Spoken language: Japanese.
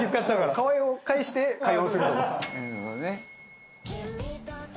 河合を介して会話をするという。